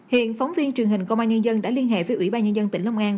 hiện phóng viên truyền hình công an nhân dân đã liên hệ với ủy ban nhân dân tỉnh long an